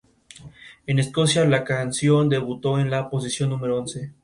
Luego Robinson regresó a sus funciones de arbitraje.